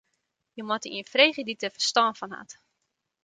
Jo moatte ien freegje dy't dêr ferstân fan hat.